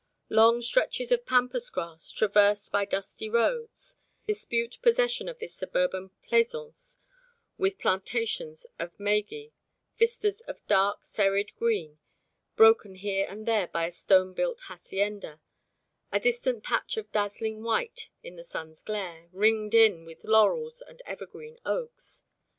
Long stretches of pampas grass, traversed by dusty roads, dispute possession of this suburban pleasaunce with plantations of maguey vistas of dark, serried green broken here and there by a stone built hacienda, a distant patch of dazzling white in the sun's glare, ringed in with laurels and evergreen oaks.